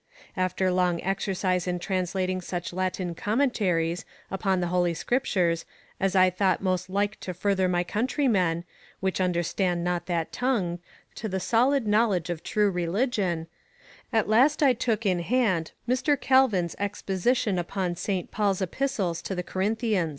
AFter long exercise in translating such Latine Commentaries vppon the holy Scriptures, as I thought most like to further my country men, which vnderstand not that tongue, to the soud knowledg of true Religion: at last I tooke in hand M. Caluins exposition vpon Saint Pauls Epistles to the Corinthias.